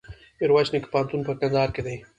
میرویس نیکه پوهنتون په کندهار کي دی.